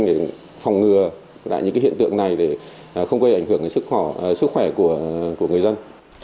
để phòng ngừa lại những hiện tượng này để không gây ảnh hưởng đến sức khỏe của người dân